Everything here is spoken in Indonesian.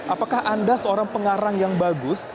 apakah anda seorang pengarang yang bagus